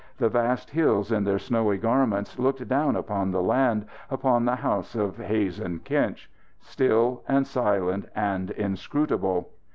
The vast hills in their snowy garments looked down upon the land, upon the house of Hazen Kinch. Still and silent and inscrutable.